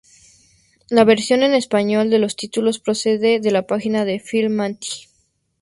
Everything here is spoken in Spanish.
La versión en español de los títulos procede de la página de Filmaffinity.